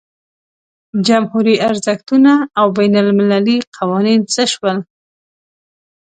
جمهوري ارزښتونه او بین المللي قوانین څه شول.